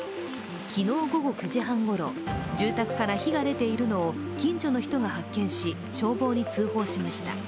昨日午後９時半ごろ住宅から火が出ているのを近所の人が発見し、消防に通報しました。